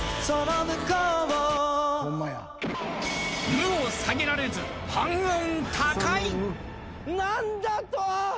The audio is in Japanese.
［「む」を下げられず半音高い］